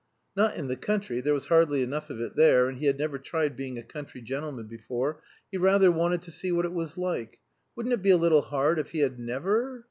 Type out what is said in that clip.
Not in the country, there was hardly enough of it there, and he had never tried being a country gentleman before; he rather wanted to see what it was like. Wouldn't it be a little hard, if he had never